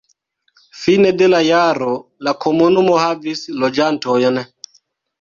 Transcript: Fine de la jaro la komunumo havis loĝantojn.